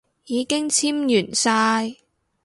已經簽完晒